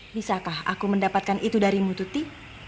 bisakah aku mendapatkan itu darimu tuti